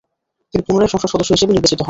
তিনি পুনরায় সংসদ সদস্য হিসেবে নির্বাচিত হন।